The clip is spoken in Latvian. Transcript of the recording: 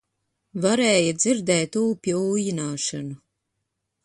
Varēja dzirdēt ūpja ūjināšanu